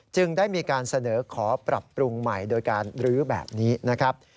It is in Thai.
จึงได้มีการเสนอขอปรับปรุงใหม่โดยการรื้อแบบนี้นะครับ